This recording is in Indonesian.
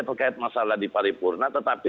terkait masalah di paripurna tetapi